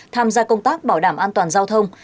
tham gia công tác bảo đảm an toàn giao thông